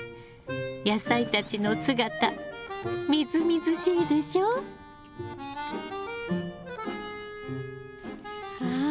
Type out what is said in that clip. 野菜たちの姿みずみずしいでしょう？